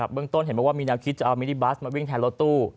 เรื่องต้นเห็นบอกว่ามีแนวคิดจะเอามินิบัสมาวิ่งแทนรถตู้